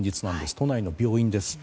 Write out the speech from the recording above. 都内の病院です。